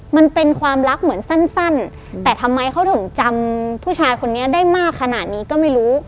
มันเป็นความรักเหมือนสั้นแต่ทำไมเขาถึงจำผู้ชายคนนี้ได้มากขนาดนี้ก็ไม่รู้